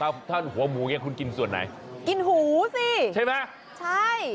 เอามาคุณท่านหัวหมูไงคุณกินส่วนไหนกินหูสิใช่ไหมใช่เออ